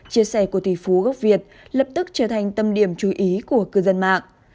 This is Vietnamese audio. chia sẻ của tỷ phú gốc việt lập tức trở thành tâm điểm chú ý của cư dân mạng